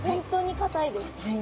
かたいんですね。